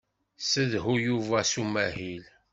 Ssedhu Yuba s umahil.